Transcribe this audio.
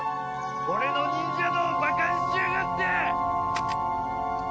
俺の忍者道をバカにしやがって！